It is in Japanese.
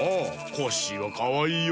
コッシーはかわいいよ。